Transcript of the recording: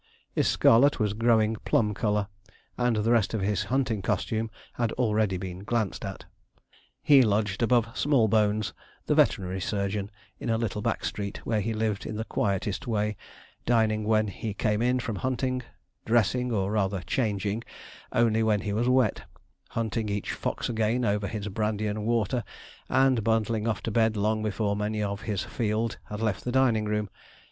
His scarlet was growing plum colour, and the rest of his hunting costume has been already glanced at. He lodged above Smallbones, the veterinary surgeon, in a little back street, where he lived in the quietest way, dining when he came in from hunting, dressing, or rather changing, only when he was wet, hunting each fox again over his brandy and water, and bundling off to bed long before many of his 'field' had left the dining room.